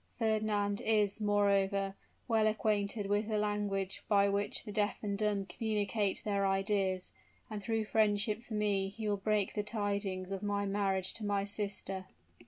Fernand is, moreover, well acquainted with the language by which the deaf and dumb communicate their ideas; and through friendship for me he will break the tidings of my marriage to my sister."